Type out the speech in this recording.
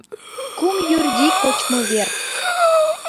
«КУМ ЮРДИ» КОЧМЫВЕР